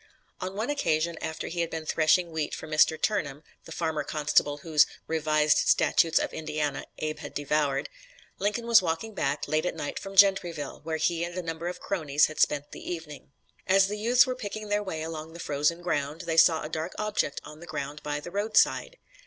On one occasion after he had been threshing wheat for Mr. Turnham, the farmer constable whose "Revised Statutes of Indiana" Abe had devoured, Lincoln was walking back, late at night from Gentryville, where he and a number of cronies had spent the evening. As the youths were picking their way along the frozen road, they saw a dark object on the ground by the roadside.